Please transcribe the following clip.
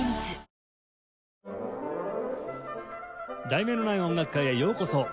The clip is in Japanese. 『題名のない音楽会』へようこそ。